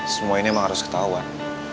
semua ini memang harus ketahuan